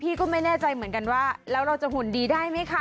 ก็ไม่แน่ใจเหมือนกันว่าแล้วเราจะหุ่นดีได้ไหมคะ